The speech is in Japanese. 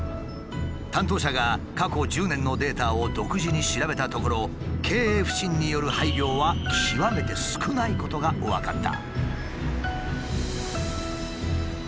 担当者が過去１０年のデータを独自に調べたところ経営不振による廃業は極めて少ないことが分かった。